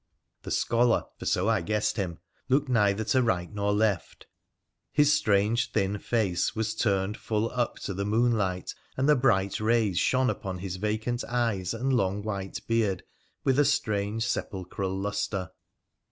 The scholar — for so I guessed him — looked neither to right nor left ; his strange thin face was turned full up to the moon light, and the bright rays shone upon his vacant eyes and long white beard with a strange sepulchral lustre.